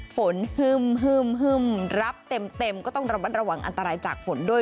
ฝนฮึ่มฮึ่มฮึ่มรับเต็มก็ต้องระวังอันตรายจากฝนด้วย